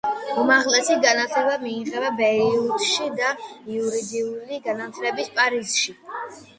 უმაღლესი განათლება მიიღო ბეირუთში და იურიდიული განათლება პარიზში.